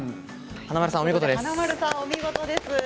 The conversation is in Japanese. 華丸さんお見事です。